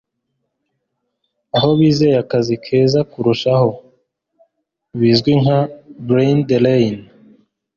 aho bizeye akazi keza kurushaho (bizwi nka 'brain drain').